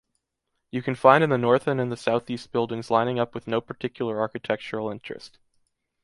You can find in the North and in the Southeast buildings lining up with no particular architectural interest.